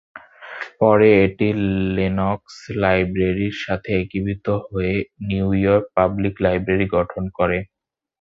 পরে এটি লেনক্স লাইব্রেরির সাথে একীভূত হয়ে নিউ ইয়র্ক পাবলিক লাইব্রেরি গঠন করে।